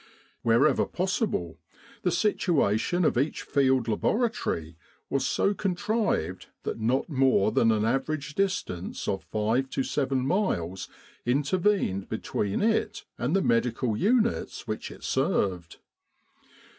Wherever possible, the situation of each Field Laboratory was so contrived that not more than an average distance of five to seven miles inter vened between it and the medical units which it served.